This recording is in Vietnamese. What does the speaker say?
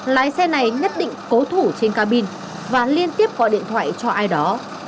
lái xe này nhất định cố thủ trên cabin và liên tiếp gọi điện thoại cho ai đó